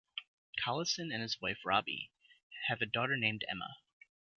Collison and his wife, Robbie, have a daughter named Emma.